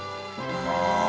ああ。